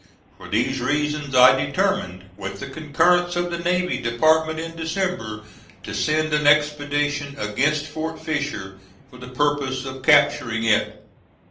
For these reasons I determined, with the concurrence of the Navy Department, in December, to send an expedition against Fort Fisher for the purpose of capturing it.